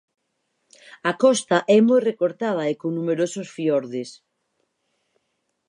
A costa é moi recortada e con numerosos fiordes.